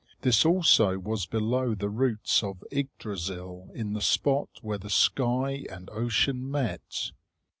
This also was below the roots of Yggdrasil, in the spot where the sky and ocean met.